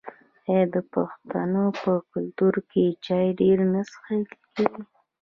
آیا د پښتنو په کلتور کې چای ډیر نه څښل کیږي؟